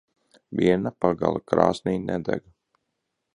Viena pagale krāsnī nedeg.